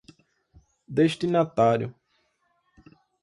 destinatário